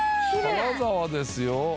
金沢ですよ。